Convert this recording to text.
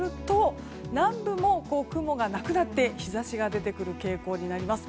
南部も雲がなくなって日差しが出てくる傾向になります。